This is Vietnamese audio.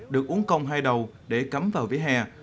được uống công hai đầu để cắm vào vỉa hè